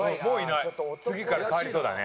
次から変わりそうだね。